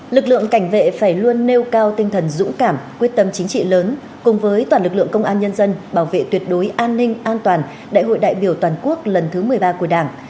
lực lượng cảnh vệ phải luôn nêu cao tinh thần dũng cảm quyết tâm chính trị lớn cùng với toàn lực lượng công an nhân dân bảo vệ tuyệt đối an ninh an toàn đại hội đại biểu toàn quốc lần thứ một mươi ba của đảng